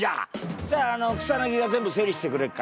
そしたらあの草が全部整理してくれっから。